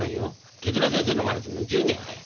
手先生のまねするのは１０年早い。